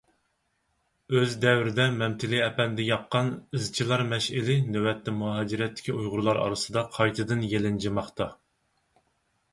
ئۆز دەۋرىدە مەمتىلى ئەپەندى ياققان «ئىزچىلار مەشئىلى» نۆۋەتتە مۇھاجىرەتتىكى ئۇيغۇرلار ئارىسىدا قايتىدىن يېلىنجىماقتا.